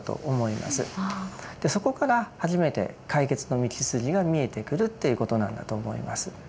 そこから初めて解決の道筋が見えてくるということなんだと思います。